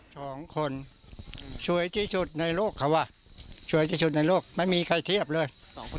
สองคนสวยที่สุดในโลกเขาว่ะสวยที่สุดในโลกไม่มีใครเทียบเลย